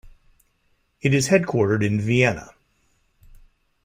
It is headquartered in Vienna.